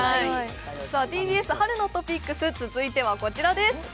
ＴＢＳ春のトピックス続いてはこちらです。